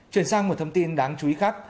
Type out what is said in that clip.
chuyển sang một thông tin đáng chú ý khác